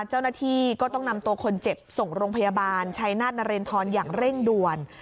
เจ้าหน้าที่ก็ต้องนำตัวคนเจ็บส่งโรงพยาบาลชัยนาธนเรนทรอย่างเร่งด่วน